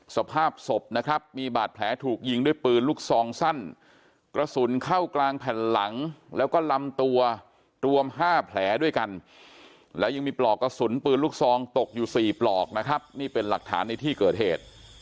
สภาพศพนะครับมีบาดแผลถูกยิงด้วยปืนลูกซองสั้นกระสุนเข้ากลางแผ่นหลังแล้วก็ลำตัวรวม๕แผลด้วยกันและยังมีปลอกกระสุนปืนลูกซองตกอยู่๔ปลอกนะครับนี่เป็นหลักฐานในที่เกิดเหตุ